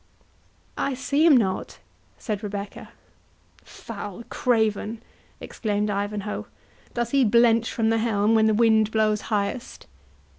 "I see him not," said Rebecca. "Foul craven!" exclaimed Ivanhoe; "does he blench from the helm when the wind blows highest?"